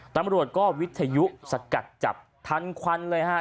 ตำรวจก็วิทยุสกัดจับทันควันเลยฮะ